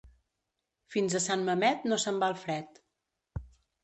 Fins a Sant Mamet no se'n va el fred.